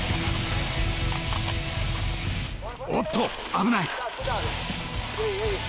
おっと危ない！